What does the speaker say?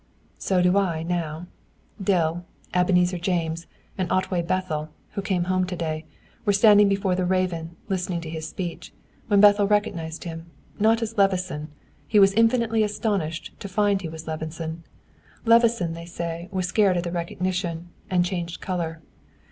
"So do I now. Dill, Ebenezer James, and Otway Bethel who came home to day were standing before the Raven, listening to his speech, when Bethel recognized him; not as Levison he was infinitely astonished to find he was Levison. Levison, they say, was scared at the recognition, and changed color.